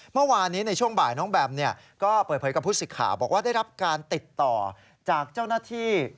เมื่อวานนี้ในช่วงบ่ายน้องแบมก็เปิดเผยกับผู้สิทธิ์ข่าวบอกว่าได้รับการติดต่อจากเจ้าหน้าที่